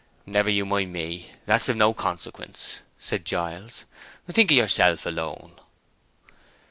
"Never you mind me—that's of no consequence," said Giles. "Think of yourself alone."